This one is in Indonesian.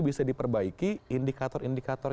bisa diperbaiki indikator indikator